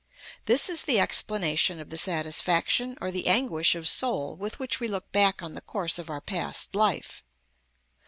This is the explanation of the satisfaction or the anguish of soul with which we look back on the course of our past life.